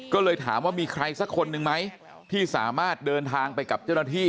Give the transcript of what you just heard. ก็เลยถามว่ามีใครสักคนนึงไหมที่สามารถเดินทางไปกับเจ้าหน้าที่